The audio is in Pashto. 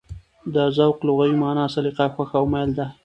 د ذوق لغوي مانا: سلیقه، خوښه او مېل ده.